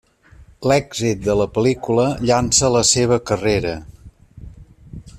L'èxit de la pel·lícula llança la seva carrera.